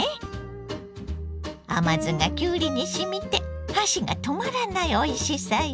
甘酢がきゅうりにしみて箸が止まらないおいしさよ。